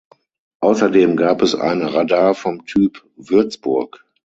Außerdem gab es ein Radar vom Typ Würzburg.